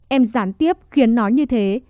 em gián tiếp khiến nó như thế